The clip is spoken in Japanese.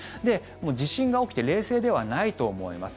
地震が起きて冷静ではないと思います。